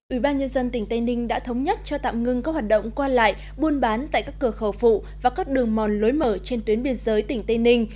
ủy ban nhân dân tỉnh tây ninh đã thống nhất cho tạm ngưng các hoạt động qua lại buôn bán tại các cửa khẩu phụ và các đường mòn lối mở trên tuyến biên giới tỉnh tây ninh